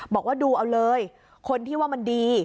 บอกว่าดูเอาเลยคนที่ว่ามันดี